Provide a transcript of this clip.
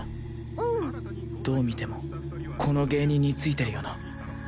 うんどう見てもこの芸人についてるよな